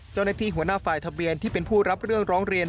เจ้าหน้าที่หัวหน้าฝ่ายทะเบียนที่เป็นผู้รับเรื่องร้องเรียน